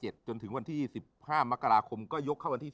โหลดแล้วคุณราคาโหลดแล้วยัง